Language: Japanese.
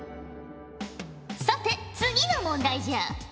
さて次の問題じゃ。